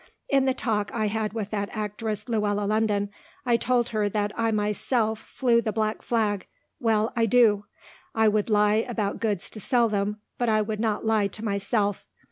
In the talk I had with that actress Luella London I told her that I myself flew the black flag. Well, I do. I would lie about goods to sell them, but I would not lie to myself.